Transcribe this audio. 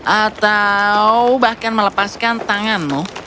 atau bahkan melepaskan tanganmu